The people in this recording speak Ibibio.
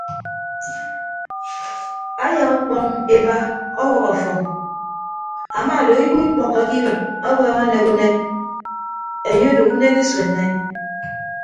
Aya ọkpọñ eba ọwọp afọñ ama odo owo ikpọkkọke ibịt ọbọọñ enek unek enye odo unek esuenne.